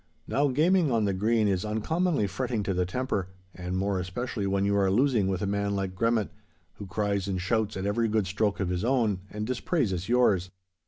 Now gaming on the green is uncommonly fretting to the temper, and more especially when you are losing with a man like Gremmat, who cries and shouts at every good stroke of his own and dispraises yours.